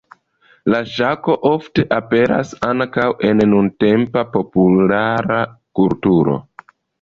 La ŝako ofte aperas ankaŭ en nuntempa populara kulturo.